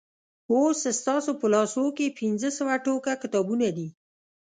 اوس ستاسو په لاسو کې پنځه سوه ټوکه کتابونه دي.